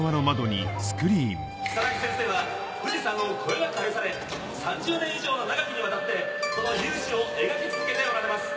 如月先生は富士山をこよなく愛され３０年以上の長きにわたってその雄姿を描き続けておられます。